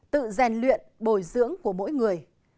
tự rèn luyện bồi dưỡng của mỗi người